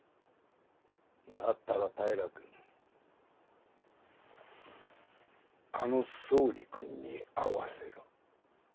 だったら平君あの総理君に会わせろ。